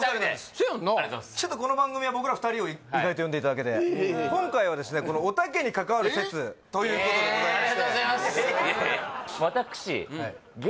そうやんなちょっとこの番組は僕ら２人を意外と呼んでいただけて今回はですねおたけに関わる説ということでございましてありがとうございますえ